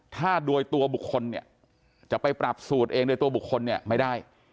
ถ้าโดยตัวบุคคลเนี่ยจะไปปรับสูตรเองโดยตัวบุคคลเนี่ยไม่ได้